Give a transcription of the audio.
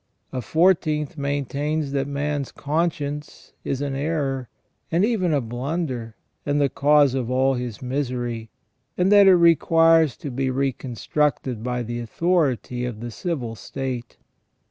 A fourteenth maintains that man's conscience is an error, and even a blunder, and the cause of all his misery, and that it requires to be reconstructed by the authority of the civil state.